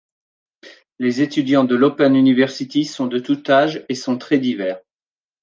Les étudiants de l'Open University sont de tout âge et sont très divers.